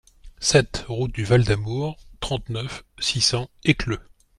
sept route du Val d'Amour, trente-neuf, six cents, Écleux